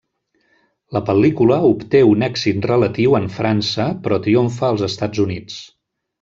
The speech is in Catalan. La pel·lícula obté un èxit relatiu en França, però triomfa als Estats Units.